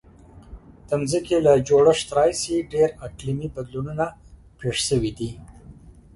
د ځمکې له جوړښت راهیسې ډیر اقلیمي بدلونونه پیښ شوي دي.